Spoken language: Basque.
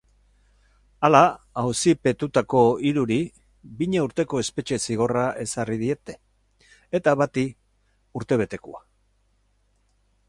Hala, auzipetutako hiruri bina urteko espetxe-zigorra ezarri diete eta bati utebetekoa.